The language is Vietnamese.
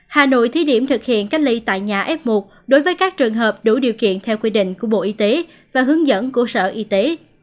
hà nội thi điểm thực hiện cách ly tại nhà f một đối với các trường hợp đủ điều kiện theo quy định của bộ y tế và hướng dẫn của sở y tế